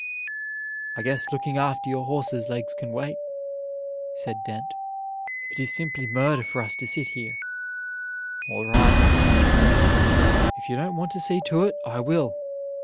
"I guess looking after your horse's legs can wait," said Dent; "it is simply murder for us to sit here." "All right," said Grant; "if you don't want to see to it, I will."